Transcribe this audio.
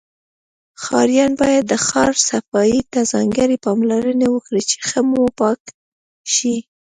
ښاریان باید د شار صفایی ته ځانګړی پاملرنه وکړی چی ښه موپاک شی